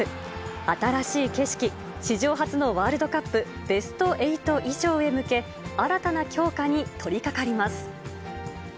新しい景色、史上初のワールドカップベスト８以上へ向け、新たな強化に取りかかります。